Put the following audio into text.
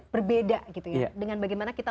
berbeda gitu ya dengan bagaimana kita